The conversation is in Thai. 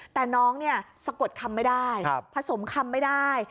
แต่น้องเนี่ยสะกดคำไม่ได้ผสมคำไม่ได้